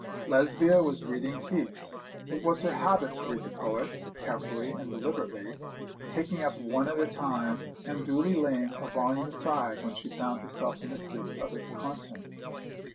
Lesbia was reading Keats. It was her habit to read the poets, carefully and deliberately, taking up one at a time, and duly laying a volume aside when she found herself mistress of its contents.